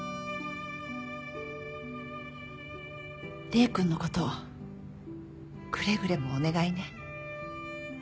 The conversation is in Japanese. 礼くんの事くれぐれもお願いね。